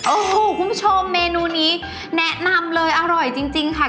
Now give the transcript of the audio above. โอ้โหคุณผู้ชมเมนูนี้แนะนำเลยอร่อยจริงค่ะ